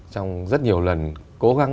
trong rất nhiều lần cố gắng